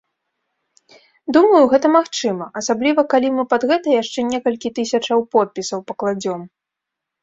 Думаю, гэта магчыма, асабліва калі мы пад гэта яшчэ некалькі тысячаў подпісаў пакладзём.